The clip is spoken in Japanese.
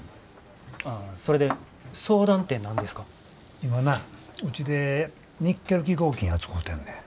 今なぁうちでニッケル基合金扱うてんねん。